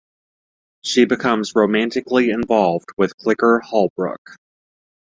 She becomes romantically involved with Clicker Holbrook.